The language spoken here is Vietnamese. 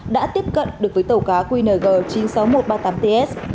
đã tiếp cận được với tàu cá qng chín mươi sáu nghìn một trăm ba mươi tám ts